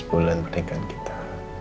empat belas bulan pernikahan kita